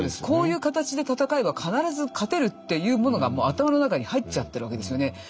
こういう形で戦えば必ず勝てるっていうものがもう頭の中に入っちゃってるわけですよね。